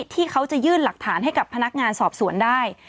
ที่เขาจะยื่นหลักฐานให้กับพนักงานสอบสวนได้